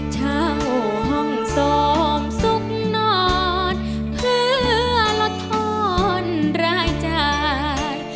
ช่างห่องส้มสุขนอนเพื่อรอทนรายจาก